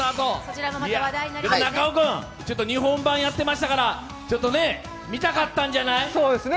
中尾君、日本版やってましたから見たかったんじゃないですか？